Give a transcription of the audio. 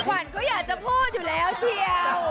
ขวัญเขาอยากจะพูดอยู่แล้วเชียว